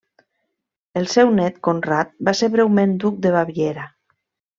El seu nét Conrad va ser breument duc de Baviera.